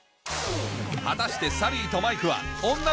果たしてサリーとマイクは９時よ